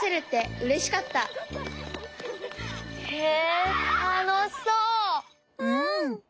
うん！